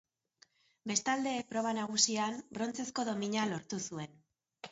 Bestalde, proba nagusian, brontzezko domina lortu zuen.